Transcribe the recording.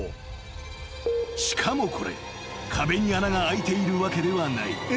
［しかもこれ壁に穴が開いているわけではない］